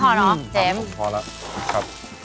ส่องพอละ